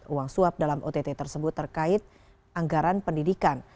uang suap dalam ott tersebut terkait anggaran pendidikan